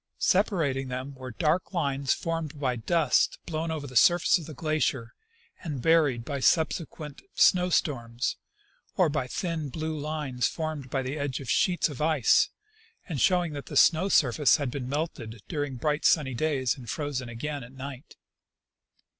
Separating them were dark lines formed by dust blown over the surface of the glacier and buried by subsequent snow storms, or by thin blue lines formed by the edges of sheets of ice and showing that the snow surface had been melted during bright sunny days and frozen again at night.